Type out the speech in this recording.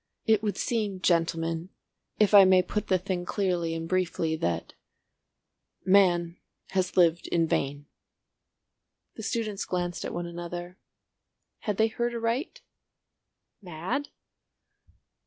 It would seem, gentlemen, if I may put the thing clearly and briefly, that—Man has lived in vain." The students glanced at one another. Had they heard aright? Mad?